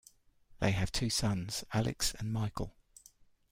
They have two sons, Alex and Michael.